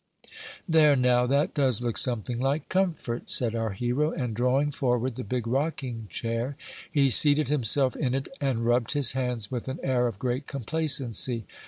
"There, now, that does look something like comfort," said our hero; and drawing forward the big rocking chair, he seated himself in it, and rubbed his hands with an air of great complacency.